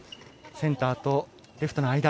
センターとレフトの間。